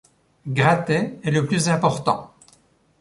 Gratay est le plus important.